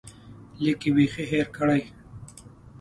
لیک یې بیخي هېر کړ.